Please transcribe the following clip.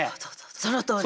そのとおり。